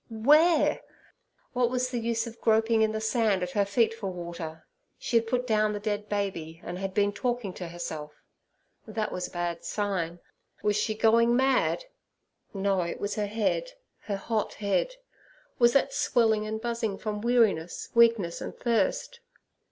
Where? What was the use of groping in the sand at her feet for water; she had put down the dead baby, and had been talking to herself. That was a bad sign. Was she going mad? No, it was her head—her hot head—was that swelling, and buzzing from weariness, weakness, and thirst.